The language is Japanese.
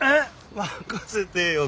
任せてよ。